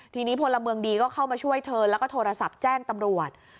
ทีนี้พลเมืองดีก็เข้ามาช่วยเธอแล้วก็โทรศัพท์แจ้งตำรวจ